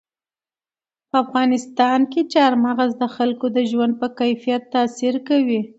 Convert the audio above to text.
په افغانستان کې چار مغز د خلکو د ژوند په کیفیت تاثیر کوي.